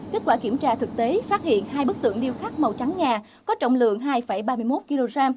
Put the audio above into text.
kết quả kiểm tra thực tế phát hiện hai bức tượng điêu khắc màu trắng nhà có trọng lượng hai ba mươi một kg